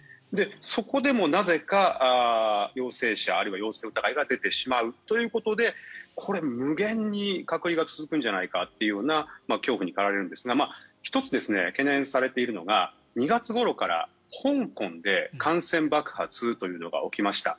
そこでもなぜか陽性者あるいは陽性疑いが出てしまうということでこれ、無限に隔離が続くんじゃないかというような恐怖に駆られるんですが１つ懸念されているのが２月ごろから香港で感染爆発というのが起きました。